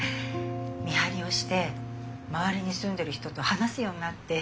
見張りをして周りに住んでる人と話すようになって。